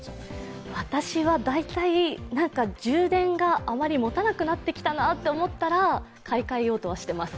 私は大体、充電があまりもたなくなってきたなと思ったら買い替えようとはしています。